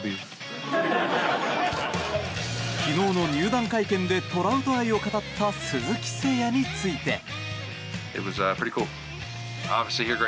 昨日の入団会見でトラウト愛を語った鈴木誠也について。